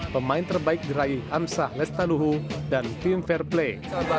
pemain terbaik gerai hamsah lestaluhu dan tim fair play